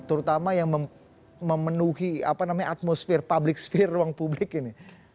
terutama yang memenuhi apa namanya atmosfer public sphere ruang publik ini